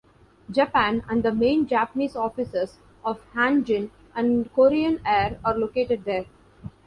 Japan, and the main Japanese offices of Hanjin and Korean Air are located there.